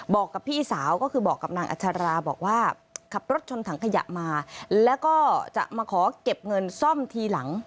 บอกกับพี่สาวก็คือบอกกับนางอัชราบอกว่าขับรถชนถังขยะมาแล้วก็จะมาขอเก็บเงินซ่อมทีหลัง